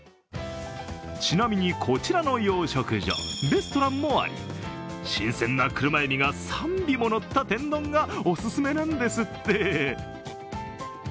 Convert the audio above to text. ちなみに、こちらの養殖場、レストランもあり、新鮮な車えびが３尾ものった天丼がお勧めなんですって。